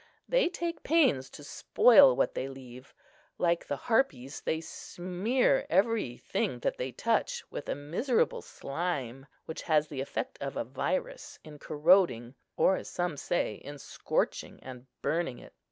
They take pains to spoil what they leave. Like the Harpies, they smear every thing that they touch with a miserable slime, which has the effect of a virus in corroding, or, as some say, in scorching and burning it.